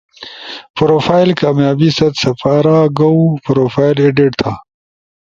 پروفائل کامیابی ست سپارا گؤ، پروفائل ایڈیٹ تھا